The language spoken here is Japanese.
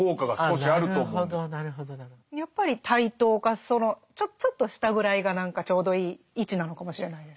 やっぱり対等かそのちょっと下ぐらいが何かちょうどいい位置なのかもしれないですね。